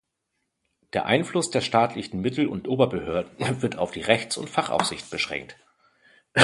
Der Einfluss der staatlichen Mittel- und Oberbehörden wird auf die Rechts- und Fachaufsicht beschränkt.